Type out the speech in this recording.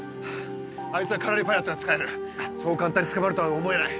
あいつはカラリパヤットが使えるそう簡単に捕まるとは思えない。